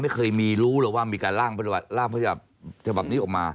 ไม่เคยรู้หรอกว่ามีการล่างปฏิบัติภาพนี้ออกมา